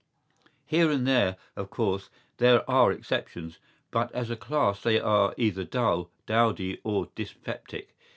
Here and there, of course, there are exceptions, but as a class they are either dull, dowdy or dyspeptic.